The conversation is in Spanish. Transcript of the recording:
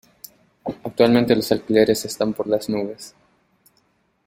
Actualmente los alquileres están por las nubes.